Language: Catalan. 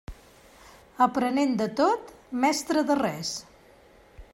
Aprenent de tot, mestre de res.